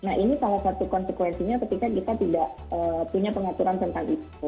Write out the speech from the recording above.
nah ini salah satu konsekuensinya ketika kita tidak punya pengaturan tentang itu